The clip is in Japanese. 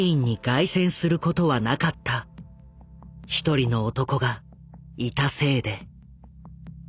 １人の男がいたせいで。